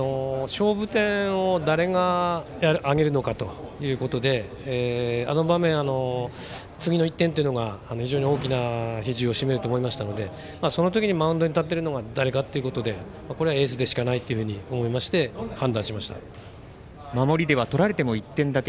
勝負点を誰が挙げるのかということであの場面、次の１点といいのが大きな比重を占めると思いましたのでその時にマウンドに立ってるのが誰かということでこれはエースでしかないと守りではとられても１点だけ。